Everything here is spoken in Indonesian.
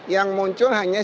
yang muncul hanya